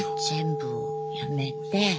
全部をやめて。